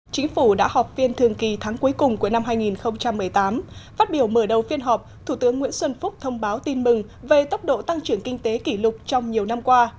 chính phủ đã họp phiên thường kỳ tháng cuối cùng của năm hai nghìn một mươi tám phát biểu mở đầu phiên họp thủ tướng nguyễn xuân phúc thông báo tin mừng về tốc độ tăng trưởng kinh tế kỷ lục trong nhiều năm qua